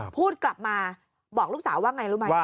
พูดกลับมาบอกลูกสาวว่าไงรู้ไหม